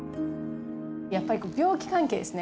やっぱり病気関係ですね。